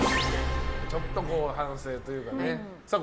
ちょっと反省というかね。